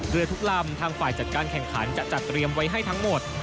เรือทุกลำทางฝ่ายจัดการแข่งขันจะจัดเตรียมไว้ให้ทั้งหมด